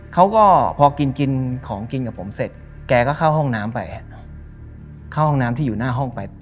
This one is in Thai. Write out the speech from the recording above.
เขาก็พอกินกินของกินกับผมเสร็จแกก็เข้าห้องน้ำไปเข้าห้องน้ำที่อยู่หน้าห้องไป